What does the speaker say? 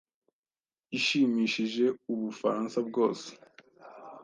ishimishije u Bufaransa bwose